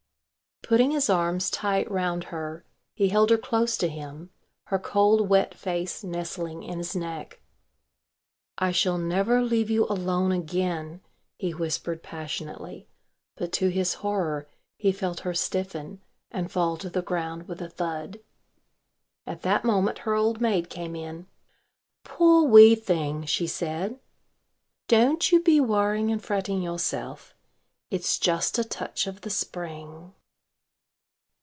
Putting his arms tight round her he held her close to him, her cold wet face nestling in his neck. "I shall never leave you alone again," he whispered passionately, but to his horror he felt her stiffen and fall to the ground with a thud. At that moment her old maid came in. "Poor wee thing," she said, "don't you be worrying and fretting yourself. It's just a touch of the Spring."